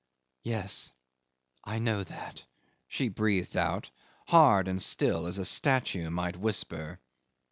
"Yes, I know that," she breathed out, hard and still, as a statue might whisper.